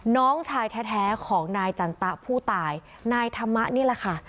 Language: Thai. น้องชายแท้ของนายจันตะผู้ตายนายธรรมะนี่แหละค่ะ